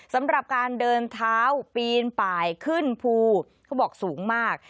สำหรับการเดินเท้าปีนป่ายขึ้นภูเขาบอกสูงมาก